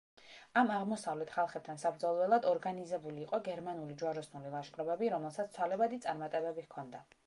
ამ აღმოსავლეთ ხალხებთან საბრძოლველად ორგანიზებული იყო გერმანული ჯვაროსნული ლაშქრობები, რომელსაც ცვალებადი წარმატებები ჰქონდა.